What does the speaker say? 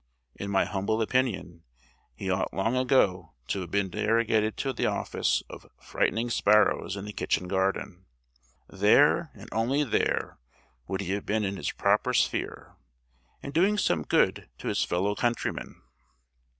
In my humble opinion he ought long ago to have been derogated to the office of frightening sparrows in the kitchen garden. There, and only there, would he have been in his proper sphere, and doing some good to his fellow countrymen.